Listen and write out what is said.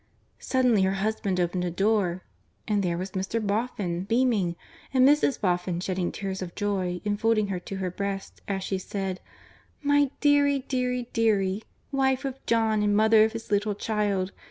Suddenly her husband opened a door and there was Mr. Boffin beaming and Mrs. Boffin shedding tears of joy, and folding her to her breast as she said: "My deary, deary, deary, wife of John and mother of his little child!